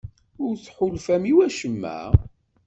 Ur tḥulfam i wacemma?